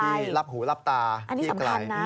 อย่าไปอยู่ที่รับหูรับตาที่ไกล